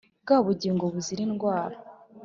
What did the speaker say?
bwa bugingo buzira indwara